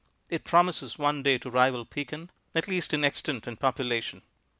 It promises one day to rival Pekin, at least in extent and population.